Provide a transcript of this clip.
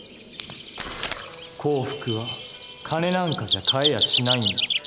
幸福は金なんかじゃ買えやしないんだ。